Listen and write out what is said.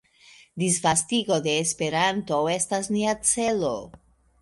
Disvastigo de Esperanto estas nia celo.